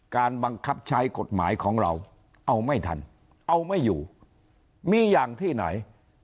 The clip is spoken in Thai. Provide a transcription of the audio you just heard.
การบังคับใช้กฎหมายของเราเอาไม่ทันเอาไม่อยู่มีอย่างที่ไหน